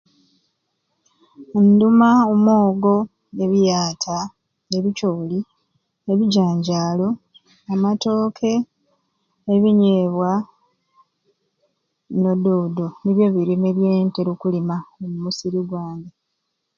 Nduma omwogo, ebiyaata ne bikyoli ne bijjanjjali na matooke ne binyebwa n'oddoodo nibyo emirime byentera okuluma omu musiri gwange